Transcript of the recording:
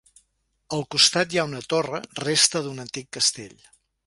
Al costat hi ha una torre, resta d'un antic castell.